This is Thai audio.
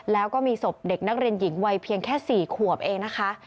แล้วก็มีศพเด็กนักเรียนหญิงวัยเพียงแค่๔ขวบเองนะคะ